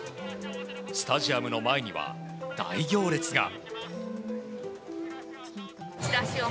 スタジアムの前には大行列が。